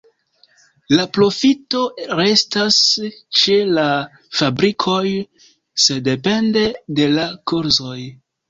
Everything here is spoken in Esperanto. La profito restas ĉe la fabrikoj sendepende de la kurzoj.